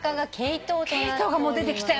ケイトウがもう出てきたよ。